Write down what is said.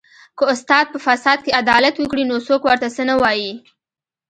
که استاد په فساد کې عدالت وکړي نو څوک ورته څه نه وايي